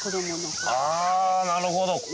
ああなるほど！